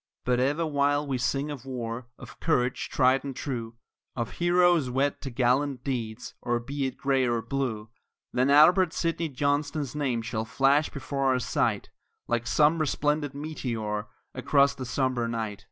But ever while we sing of war, of courage tried and true, Of heroes wed to gallant deeds, or be it Gray or Blue, Then Albert Sidney Johnston's name shall flash before our sight Like some resplendent meteor across the sombre night.